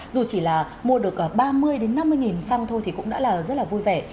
dù chỉ là mua được ba mươi năm mươi nghìn thôi thì cũng đã là rất là vui vẻ